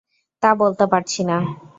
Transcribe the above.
তা বলতে পারছি না।